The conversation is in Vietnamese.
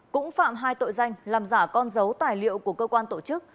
cũng phạm hai tội danh làm giả con dấu tài liệu của cơ quan tổ chức